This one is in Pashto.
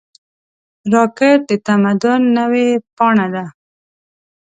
راکټ د تمدن نوې پاڼه ده